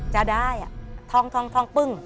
จะได้ทองปึ้ง